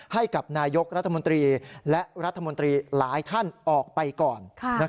ให้กับนายกรัฐมนตรีและรัฐมนตรีหลายท่านออกไปก่อน